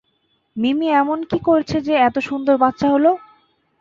মিমি এমন কী করছে যে, এতো সুন্দর বাচ্চা হলো?